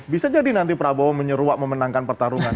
bisa jadi nanti prabowo menyeruak memenangkan pertarungan